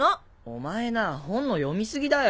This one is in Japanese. お前な本の読み過ぎだよ！